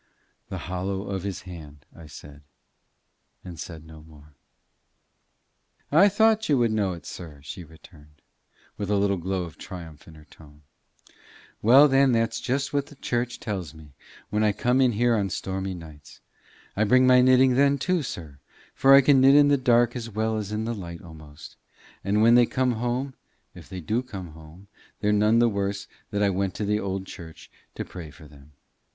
"The hollow of his hand," I said, and said no more. "I thought you would know it, sir," she returned, with a little glow of triumph in her tone. "Well, then, that's just what the church tells me when I come in here in the stormy nights. I bring my knitting then too, sir, for I can knit in the dark as well as in the light almost; and when they come home, if they do come home, they're none the worse that I went to the old church to pray for them.